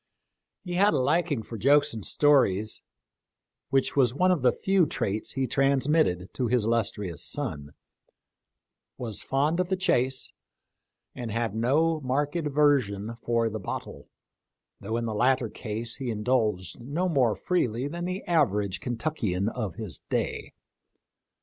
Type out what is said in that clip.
He had a liking for jokes and stories, which was one of the few traits he trans mitted to his illustrious son ; was fond of the chase, and had no marked aversion for the bottle, though in the latter case he indulged no more freely than the average Kentuckian of his day.